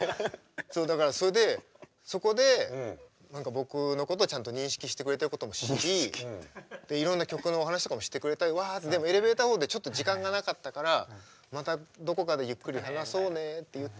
そうだからそれでそこで僕のことをちゃんと認識してくれてることも知りいろんな曲のお話とかもしてくれてでもエレベーターホールでちょっと時間がなかったからまたどこかでゆっくり話そうねって言ってそれ以来。